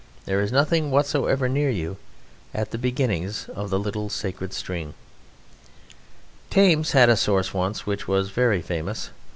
There is nothing whatsoever near you at the beginnings of the little sacred stream. Thames had a source once which was very famous.